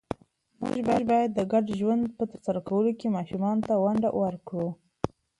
موږ باید د ګډو کارونو په ترسره کولو ماشومانو ته ونډه ورکړو